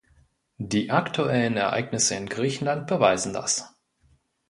Die aktuellen Ereignisse in Griechenland beweisen das.